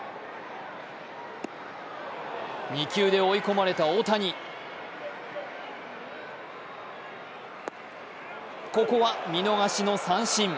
２球で追い込まれた大谷、ここは見逃しの三振。